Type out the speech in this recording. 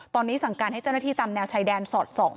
ตอนนี้สั่งการให้เจ้าหน้าที่ตามแนวชายแดนสอดส่อง